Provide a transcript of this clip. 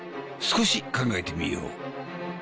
少し考えてみよう。